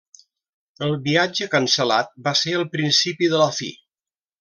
El viatge cancel·lat va ser el principi de la fi.